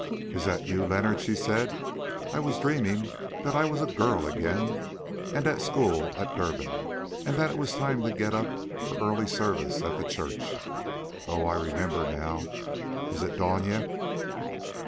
"Is that you, Leonard?" she said. "I was dreaming that I was a girl again and at school at Durban, and that it was time to get up for early service at the church. Oh! I remember now. Is it dawn yet?"